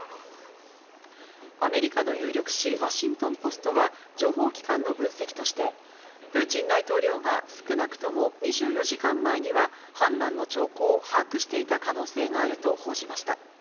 アメリカの有力紙、ワシントンポストは情報機関の分析として、プーチン大統領が少なくとも２４時間前には反乱の兆候を把握していた可能性があると報じました。